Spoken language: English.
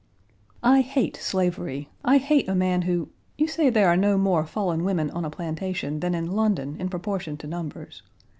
"I hate slavery. I hate a man who You say there are no more fallen women on a plantation than in London in proportion to numbers.